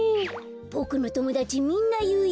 ボクのともだちみんないうよ。